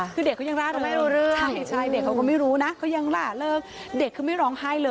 คือเด็กเขายังราดเริ่มเด็กเขาก็ไม่รู้นะเด็กคือไม่ร้องไห้เลย